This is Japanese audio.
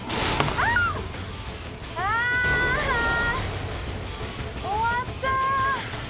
あっ終わった！